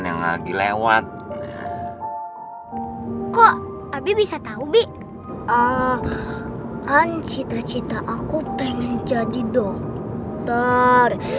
ancita ancita aku pengen jadi dokter